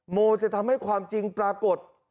โมจะทำให้ความจริงปรากฏ